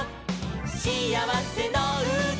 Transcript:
しあわせのうた」